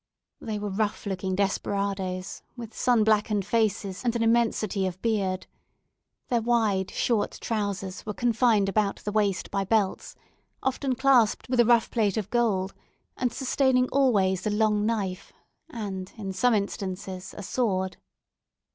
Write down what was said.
They were rough looking desperadoes, with sun blackened faces, and an immensity of beard; their wide short trousers were confined about the waist by belts, often clasped with a rough plate of gold, and sustaining always a long knife, and in some instances, a sword.